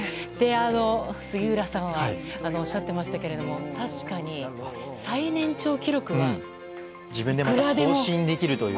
杉浦さんがおっしゃってましたけど確かに最年長記録はいくらでも更新できる。